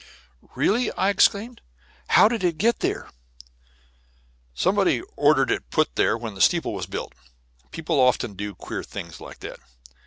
"Really?" I exclaimed. "How did it get there?" "Somebody ordered it put there when the steeple was built. People often do queer things like that.